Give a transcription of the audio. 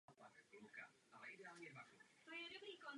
Po autonehodě zemřel.